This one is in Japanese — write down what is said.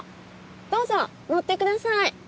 どうぞ乗ってください。